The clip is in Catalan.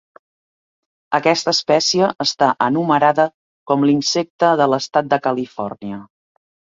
Aquesta espècie està enumerada com l'insecte de l'estat de Califòrnia.